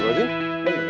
ya udah terima kasih